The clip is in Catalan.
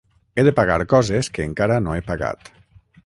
He de pagar coses que encara no he pagat.